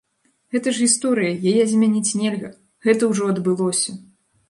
Гэта ж гісторыя, яе змяніць нельга, гэта ўжо адбылося!